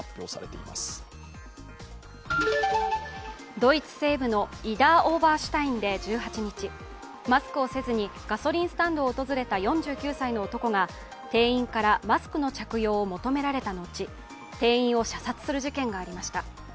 ドイツ西部のイダー・オーバーシュタインで１８日、マスクをせずにガソリンスタンドを訪れた４９歳の男が店員からマスクの着用を求められた後、店員を射殺する事件がありました。